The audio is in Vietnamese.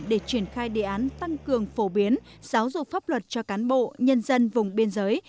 để triển khai đề án tăng cường phổ biến giáo dục pháp luật cho cán bộ nhân dân vùng biên giới